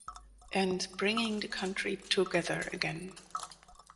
And Bringing the Country Together Again".